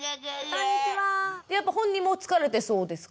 やっぱ本人も疲れてそうですか？